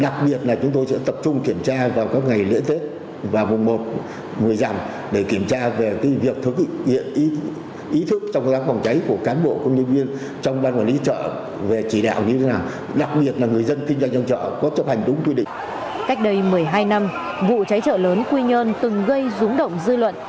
cách đây một mươi hai năm vụ cháy chợ lớn quy nhơn từng gây rúng động dư luận